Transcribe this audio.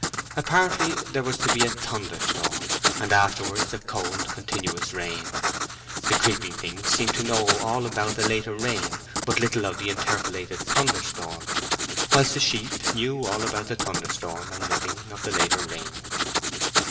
Apparently there was to be a thunder storm, and afterwards a cold continuous rain. The creeping things seemed to know all about the later rain, but little of the interpolated thunder storm; whilst the sheep knew all about the thunder storm and nothing of the later rain.